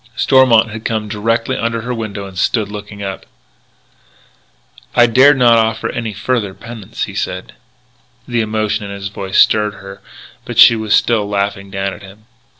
Stormont had come directly under her window and stood looking up. "I dared not offer further penance," he said. The emotion in his voice stirred her but she was still laughing down at him.